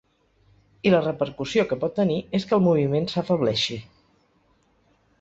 I la repercussió que pot tenir és que el moviment s’afebleixi.